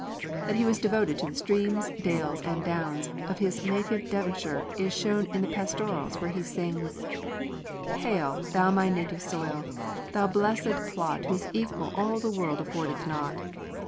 That he was devoted to the streams, dales, and downs of his native Devonshire is shown in the Pastorals, where he sings: "Hail, thou my native soil! thou blessèd plot Whose equal all the world affordeth not!